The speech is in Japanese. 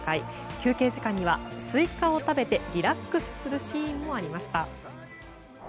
休憩時間にはスイカを食べてリラックスするシーンもありました。